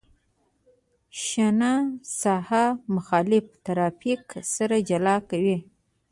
شنه ساحه مخالف ترافیک سره جلا کوي